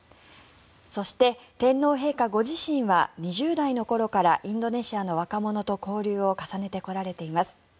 そして、天皇陛下ご自身は２０代の頃からインドネシアの若者と交流を重ねてこられています。